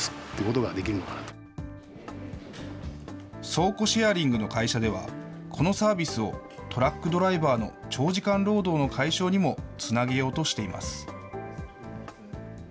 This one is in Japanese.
倉庫シェアリングの会社では、このサービスをトラックドライバーの長時間労働の解消にもつなげようとしています。